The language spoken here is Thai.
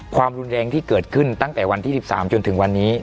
ความรุนแรงที่เกิดขึ้นตั้งแต่วันที่๑๓จนถึงวันนี้